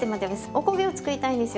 おこげを作りたいんですよ。